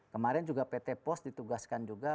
kemarin juga pt pos ditugaskan juga